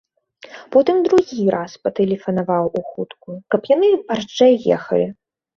Потым другі раз патэлефанаваў у хуткую, каб яны барзджэй ехалі.